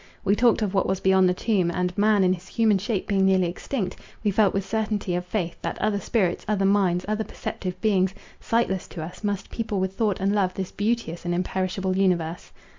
—We talked of what was beyond the tomb; and, man in his human shape being nearly extinct, we felt with certainty of faith, that other spirits, other minds, other perceptive beings, sightless to us, must people with thought and love this beauteous and imperishable universe.